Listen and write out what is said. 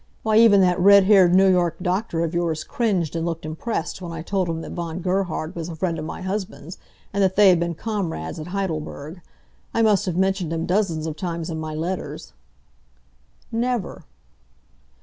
Why, even that red haired New York doctor of yours cringed and looked impressed when I told him that Von Gerhard was a friend of my husband's, and that they had been comrades at Heidelberg. I must have mentioned him dozens of times in my letters." "Never."